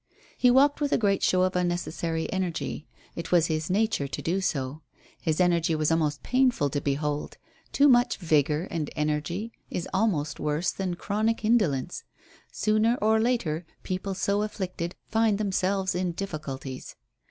He walked with a great show of unnecessary energy. It was his nature to do so. His energy was almost painful to behold. Too much vigour and energy is almost worse than chronic indolence; sooner or later people so afflicted find themselves in difficulties.